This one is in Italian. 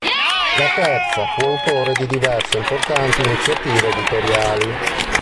Laterza fu autore di diverse importanti iniziative editoriali.